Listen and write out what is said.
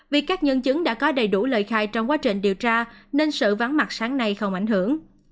vì các nhân chứng đã có đầy đủ lời khai trong quá trình điều tra nên sự vắng mặt sáng nay không ảnh hưởng